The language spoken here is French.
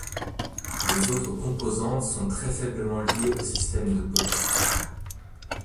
Les autres composantes sont très faiblement liées au système de Polis.